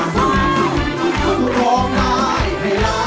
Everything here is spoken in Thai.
ได้ครับ